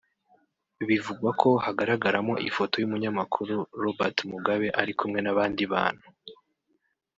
bivugwa ko hagaragaramo ifoto y’umunyamakuru Robert Mugabe ari kumwe n’abandi bantu